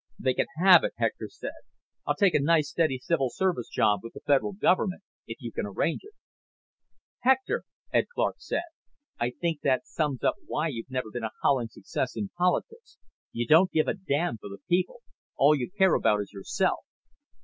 "They can have it," Hector said. "I'll take a nice steady civil service job with the Federal Government, if you can arrange it." "Hector," Ed Clark said, "I think that sums up why you've never been a howling success in politics. You don't give a damn for the people. All you care about is yourself."